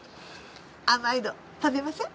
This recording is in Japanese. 甘いの食べません？